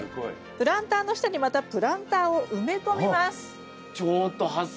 プランターの下にまたプランターを埋め込みます。